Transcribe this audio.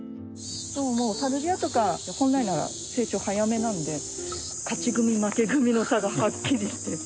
サルビアとか本来なら成長早めなので勝ち組負け組の差がはっきりしてる。